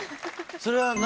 それは何？